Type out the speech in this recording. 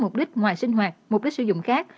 mục đích sử dụng khác